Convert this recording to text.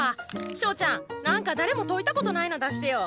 翔ちゃん何か誰も解いたことないの出してよ。